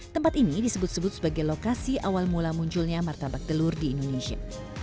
tempat ini disebut sebut sebagai lokasi awal mula munculnya martabak telur di indonesia